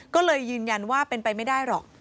ก็เลยยืนยันว่าเป็นไปไม่ได้หรอก